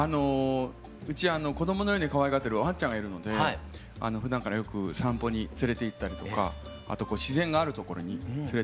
うち子供のようにかわいがってるワンちゃんがいるのでふだんからよく散歩に連れていったりとか自然がある所に連れていって。